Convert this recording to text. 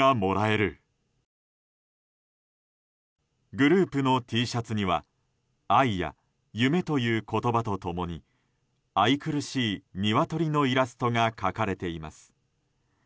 グループのＴシャツには愛や夢という言葉と共に愛くるしいニワトリのイラストが描かれています。